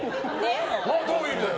どういう意味だよ？